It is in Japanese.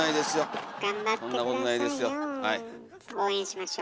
応援しましょう。